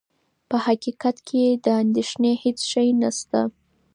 په حقیقت کې د اندېښنې هېڅ شی نه شته.